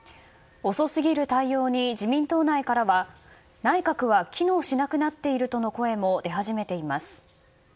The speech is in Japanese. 遅すぎる対応に自民党内からは内閣は機能しなくなっているとの声も出始めています。